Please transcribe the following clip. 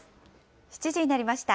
７時になりました。